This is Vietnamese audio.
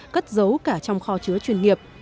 cất giấu cả trong kho chứa chuyên nghiệp